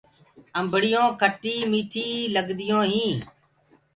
امڀڙيون کٽي ميٺي لگديٚونٚ هينٚ۔